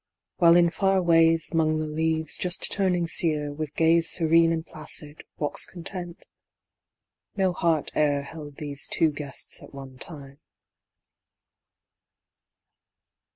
While in far ways 'mong leaves just turning sere, With gaze serene and placid, walks Content. No heart ere held these two guests at one time.